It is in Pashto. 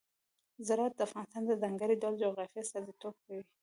زراعت د افغانستان د ځانګړي ډول جغرافیه استازیتوب کوي.